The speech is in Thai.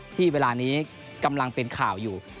เวลานี้กำลังเป็นข่าวอยู่